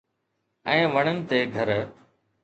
۽ وڻن تي گھر